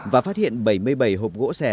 và phát hiện bảy mươi bảy hộp gỗ sẻ